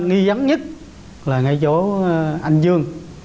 nghi vấn nhất là ngay chỗ anh dương